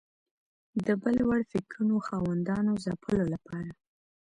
د بل وړ فکرونو خاوندانو ځپلو لپاره